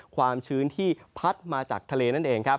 ความชื้นที่พัดมาจากทะเลนั่นเองครับ